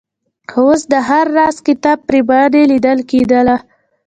خو اوس د هر راز کتاب پرېماني لیدل کېدله.